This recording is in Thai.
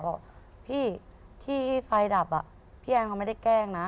บอกพี่ที่ไฟดับพี่แอนเขาไม่ได้แกล้งนะ